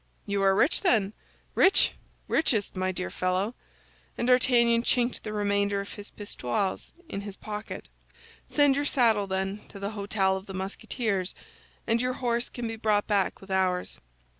"You are rich, then?" said Aramis. "Rich? Richest, my dear fellow!" And D'Artagnan chinked the remainder of his pistoles in his pocket. "Send your saddle, then, to the hôtel of the Musketeers, and your horse can be brought back with ours."